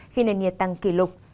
khi nền nhiệt tăng kỷ lục